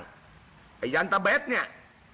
มันเป็นยังตะเบ็ดเนี่ย